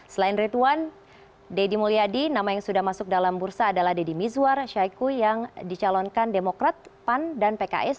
selain ridwan deddy mulyadi nama yang sudah masuk dalam bursa adalah deddy mizwar syaiqo yang dicalonkan demokrat pan dan pks